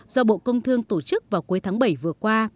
do bộ công thương tổ chức vào cuối tháng bảy vừa qua